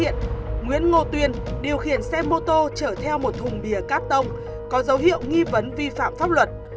nguyễn ngô tuyên điều khiển xe mô tô chở theo một thùng bìa cát tông có dấu hiệu nghi vấn vi phạm pháp luật